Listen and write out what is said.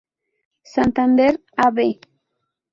Santander, Av.